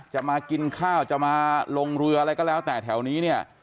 จะมากินข้าวจะมาลงเรืออะไรก็แล้วแต่แถวนี้เนี่ย